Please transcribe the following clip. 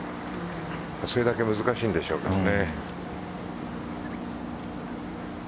それだけ難しいんでしょうけどもね。